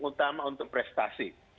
utama untuk prestasi